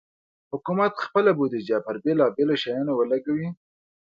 حکومت خپل بودیجه پر بېلابېلو شیانو ولګوي.